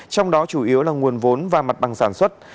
trong đó chủ yếu là nguồn vốn và mặt bằng sản xuất